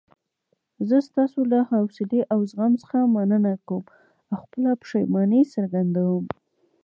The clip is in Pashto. زه ستاسو له حوصلې او زغم څخه مننه کوم او خپله پښیماني څرګندوم.